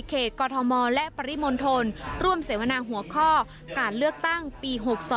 มีเขตกอทมและปริมนธนร่วมเสียวนาหัวข้อการเลือกตั้งปี๖๒